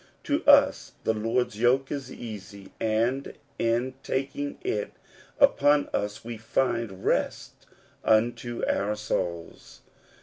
To us the Lord's yoke is easy, and in taking it upon us we find rest unto our souls.